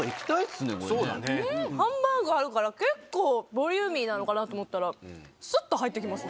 ハンバーグあるから結構ボリューミーなのかなと思ったらすっと入ってきますね。